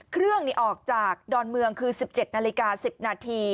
เครื่องออกจากดอนเมืองคือ๑๗นาฬิกา๑๐นาที